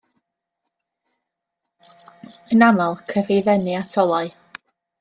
Yn aml, caiff ei ddenu at olau.